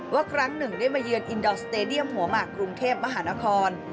ครั้งหนึ่งได้มาเยือนอินดอร์สเตดียมหัวหมากกรุงเทพมหานคร